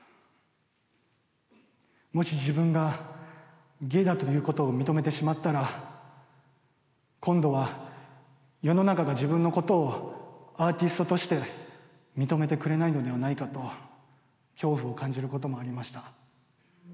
もし、自分がゲイだということを認めてしまったら今度は世の中が自分のことをアーティストとして認めてくれないのではないかと恐怖を感じることもありました。